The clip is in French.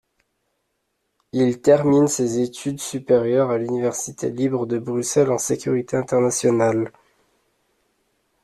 Il termine ses études supérieures à l'université libre de Bruxelles en sécurité internationale.